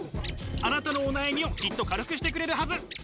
あなたのお悩みをきっと軽くしてくれるはず。